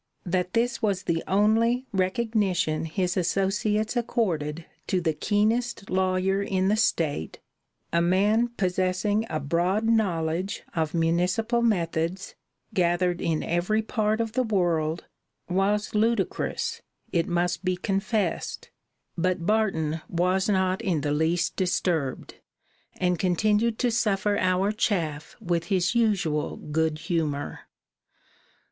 That this was the only recognition his associates accorded to the keenest lawyer in the state, a man possessing a broad knowledge of municipal methods, gathered in every part of the world, was ludicrous, it must be confessed; but Barton was not in the least disturbed, and continued to suffer our chaff with his usual good humor.